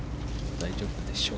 大丈夫でしょう。